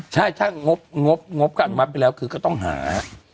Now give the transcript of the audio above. ใช่ถ้างบกันมาไปแล้วก็ต้องหา